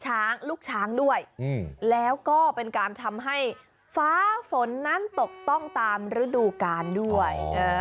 ช้างลูกช้างด้วยแล้วก็เป็นการทำให้ฟ้าฝนนั้นตกต้องตามฤดูกาลด้วย